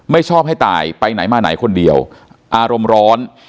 ชอบให้ตายไปไหนมาไหนคนเดียวอารมณ์ร้อน